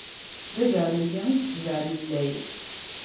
D azaɛlelli i yettzaɛlellay.